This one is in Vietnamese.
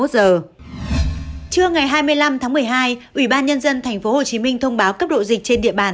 trưa ngày hai mươi năm tháng một mươi hai ủy ban nhân dân tp hcm thông báo cấp độ dịch trên địa bàn